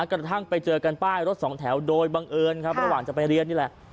กระทั่งไปเจอกันป้ายรถสองแถวโดยบังเอิญครับระหว่างจะไปเรียนนี่แหละ